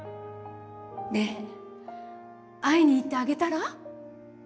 ねぇ会いに行ってあげたら？